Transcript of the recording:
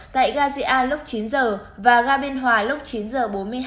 tại gà dị an lúc chín giờ và gà biên hòa lúc chín giờ bốn mươi hai